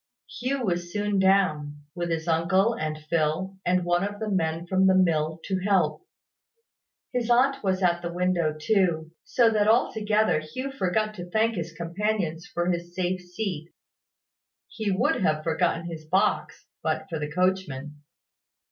Hugh was soon down, with his uncle and Phil, and one of the men from the mill to help. His aunt was at the window too; so that altogether Hugh forgot to thank his companions for his safe seat. He would have forgotten his box, but for the coachman.